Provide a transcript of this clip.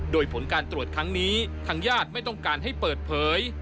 โดยผลการตรวจครั้งนี้ทางญาติไม่ต้องการให้เปิดเผย